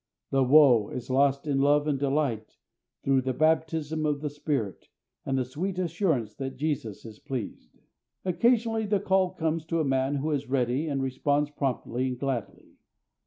The "woe" is lost in love and delight through the baptism of the Spirit and the sweet assurance that Jesus is pleased. Occasionally, the call comes to a man who is ready and responds promptly and gladly.